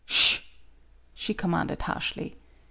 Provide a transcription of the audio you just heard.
"Sb!" she commanded harshly.